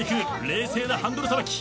冷静なハンドルさばき。